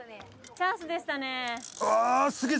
チャンスでしたねぇ